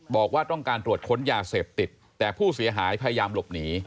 บอกว่าต้องการตรวจค้นยาเสพติดแต่ผู้เสียหายพยายามหลบหนี